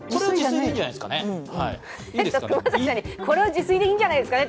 自炊でいいんじゃないですかね。